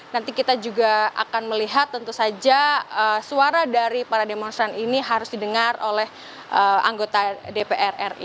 nanti kita juga akan melihat tentu saja suara dari para demonstran ini harus didengar oleh anggota dpr ri